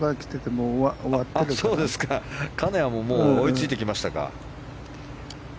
もう金谷も追いついてきましたか。